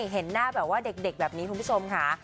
เห็นหน้าเด็กแบบนี้คุณผู้ชมค่ะ